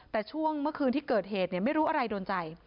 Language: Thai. แต่ช่วงเมื่อคืนที่เกิดเหตุไม่รู้อะไรโดนใจ